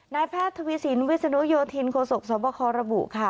นายแพทย์ทวีสินวิศนุโยธินโคศกสวบคระบุค่ะ